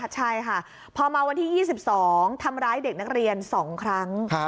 ใช่ค่ะพอมาวันที่๒๒ทำร้ายเด็กนักเรียน๒ครั้ง